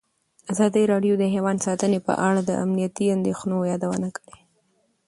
ازادي راډیو د حیوان ساتنه په اړه د امنیتي اندېښنو یادونه کړې.